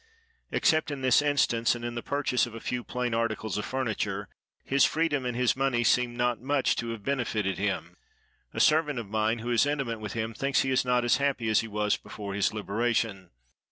Except in this instance, and in the purchase of a few plain articles of furniture, his freedom and his money seem not much to have benefited him. A servant of mine, who is intimate with him, thinks he is not as happy as he was before his liberation.